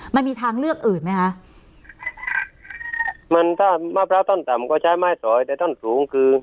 มันมีทางเลือกอื่นไหมคะมันถ้ามะพร้าวต้นต่ำก็ใช้ไม้สอยในท่อนสูงคือ